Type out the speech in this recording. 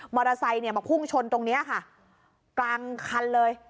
มอเตอร์ไซค์มาพุ่งชนตรงนี้ค่ะกลางคันเลย